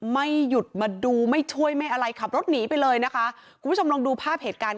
ไม่อยู่ท่วยไม่อะไรขับรถหนีไปเลยนะคะมาดูภาพเหตุการณ์